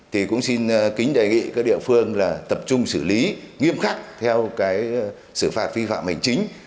thì cũng xin kính đề nghị các địa phương tập trung xử lý nghiêm khắc theo sử phạt phi phạm hình chính